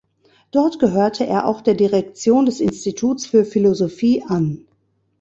Dort gehörte er auch der Direktion des Instituts für Philosophie an.